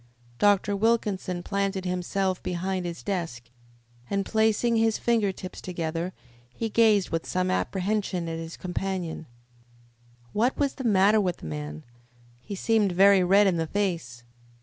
Dr. Wilkinson planted himself behind his desk, and, placing his finger tips together, he gazed with some apprehension at his companion. What was the matter with the man? He seemed very red in the face.